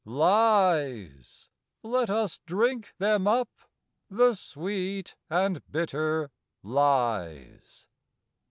Lies!—let us drink them up, The sweet and bitter lies!